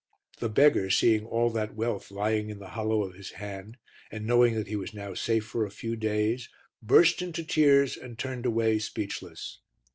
The beggar, seeing all that wealth lying in the hollow of his hand, and knowing that he was now safe for a few days, burst into tears and turned away speechless.